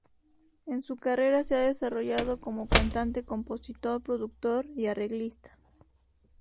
En su carrera se ha desarrollado como cantante, compositor, productor y arreglista.